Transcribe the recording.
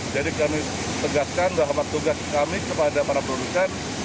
jadi kami tegaskan bahwa tugas kami kepada para produsen